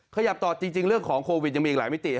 ขยับต่อจริงเรื่องของโควิดยังมีอีกหลายมิติ